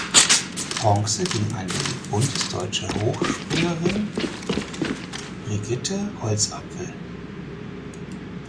Bronze ging an die bundesdeutsche Hochspringerin Brigitte Holzapfel.